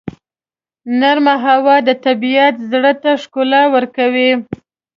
نرمه هوا د طبیعت زړه ته ښکلا ورکوي.